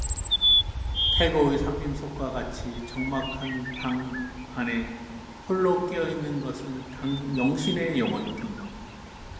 태고의 삼림 속과 같이 적막한 방 안에 홀로 깨어 있는 것은 영신의 영혼뿐.